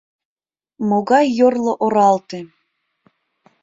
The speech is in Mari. Могай йорло оралте!..